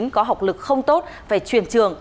có học lực không tốt phải chuyển trường